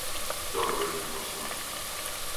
Добро урађен посао!